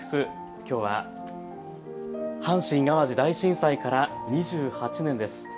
きょうは阪神・淡路大震災から２８年です。